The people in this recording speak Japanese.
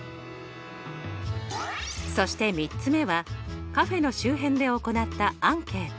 そして３つ目はカフェの周辺で行ったアンケート。